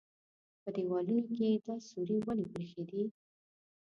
_په دېوالونو کې يې دا سوري ولې پرېښي دي؟